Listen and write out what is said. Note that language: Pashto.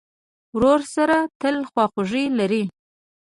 ورور سره تل خواخوږی لرې.